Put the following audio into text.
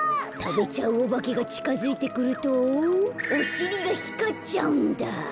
たべちゃうおばけがちかづいてくるとおしりがひかっちゃうんだ。